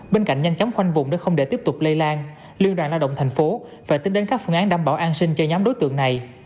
bên cạnh nhanh chóng khoanh vùng đã không để tiếp tục lây lan liên đoàn lao động tp hcm và tính đến các phương án đảm bảo an sinh cho nhóm đối tượng này